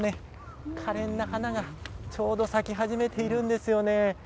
ピンク色の、かれんな花が、ちょうど咲き始めているんですよね。